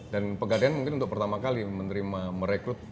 dan pegadian mungkin untuk pertama kali menerima merekrut